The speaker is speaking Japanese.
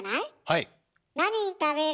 はい。